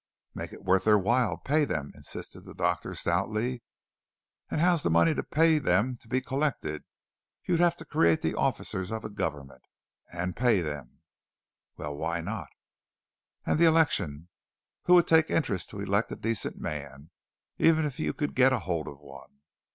'" "Make it worth their while. Pay them," insisted the doctor stoutly. "And how's the money to pay them to be collected? You'd have to create the officers of a government and pay them." "Well, why not?" "At the election, who would take interest to elect a decent man, even if you could get hold of one?